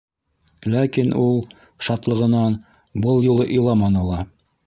Ләкин ул, шатлығынан, был юлы иламаны ла.